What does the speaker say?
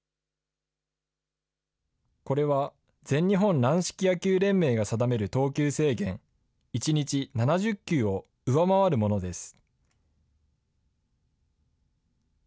これは全日本軟式野球連盟が定める投球制限、１日７０球を上回るものです。